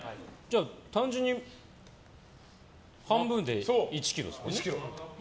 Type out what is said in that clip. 単純に半分で１ｋｇですよね。